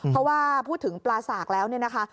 เพราะว่าพูดถึงปลาสากแล้วเนี่ยนะคะ